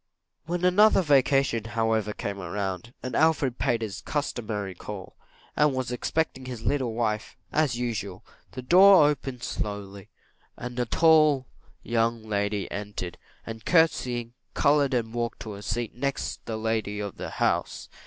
When another vacation, however, came round, and Alfred paid his customary call, and was expecting his little wife, as usual, the door opened slowly, and a tall young lady entered, and, courtseying, coloured and walked to a seat next the lady of the house.